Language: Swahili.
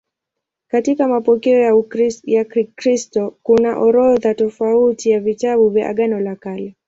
Katika mapokeo ya Kikristo kuna orodha tofauti za vitabu vya Agano la Kale.